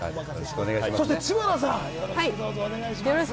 そして知花さん、よろしくお願いします。